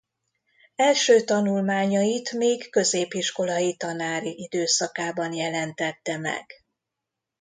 Első tanulmányait még középiskolai tanári időszakában jelentette meg.